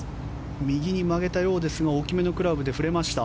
右に曲げたようですが大きめのクラブで振れました。